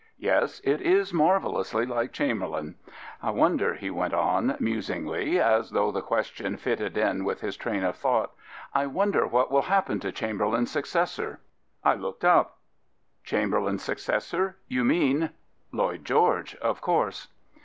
Yes, it is marvellously like Chamberlain. I wonder/' he went on, musingly, as though the question fitted in with his train of thought —" I wonder what will happen to Chamberlain's successor." I looked up. " Chamberlain's successor? You mean " "Lloyd George, of course."